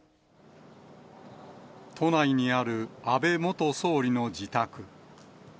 都内にある安倍元総理の自宅。